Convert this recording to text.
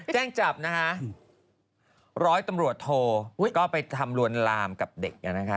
แจ้งจับนะคะร้อยตำรวจโทก็ไปทำลวนลามกับเด็กนะคะ